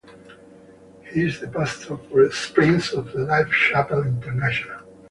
He is the pastor for Springs of Life Chapel International.